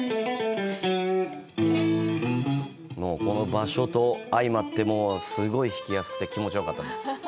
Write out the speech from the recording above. もうこの場所とあいまってすごい弾きやすくて、気持ちよかったです。